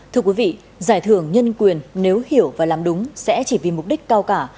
thưa quý vị giải thưởng nhân quyền nếu hiểu và làm đúng sẽ chỉ vì mục đích cao cả